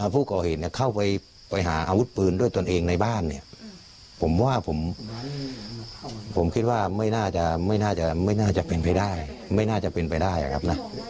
ผู้ก่อเหตุเข้าไปหาอาวุธปืนด้วยตนเองในบ้านเนี่ยผมว่าผมคิดว่าไม่น่าจะไม่น่าจะเป็นไปได้ไม่น่าจะเป็นไปได้ครับนะ